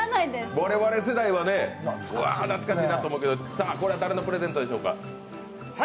我々世代は、うわ、懐かしいなと思うけど、これは誰のプレゼントでしょうか？